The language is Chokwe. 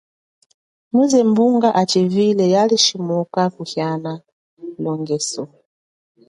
Muze mbunga jize achivwile yaalishimwoka kuhiana longeso.